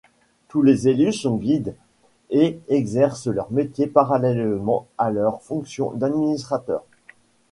Tous les élus sont guides et exercent leur métier parallèlement à leurs fonctions d’administrateurs.